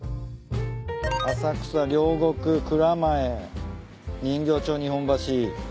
「浅草」「両国」「蔵前」「人形町」「日本橋」